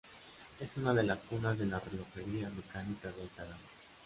Es una de las cunas de la relojería mecánica de alta gama.